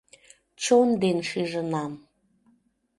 Чон ден шижынам.